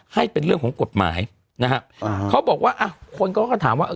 ให้เป็นเรื่องของกฎหมายนะฮะอ่าเขาบอกว่าอ่ะคนเขาก็ถามว่า